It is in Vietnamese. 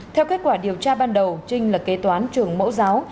theo kết quả điều tra ban đầu trinh là kế toán trường mẫu giáo